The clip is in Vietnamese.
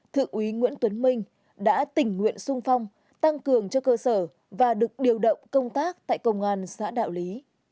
thượng úy nguyễn tuấn minh đã tình nguyện sung phong tăng cường cho cơ sở và được điều động công tác tại công an xã đạo lý